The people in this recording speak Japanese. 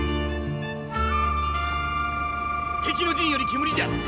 敵の陣より煙じゃ！